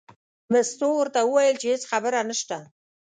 مستو ورته وویل چې هېڅ خبره نشته.